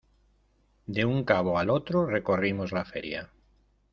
de un cabo al otro recorrimos la feria.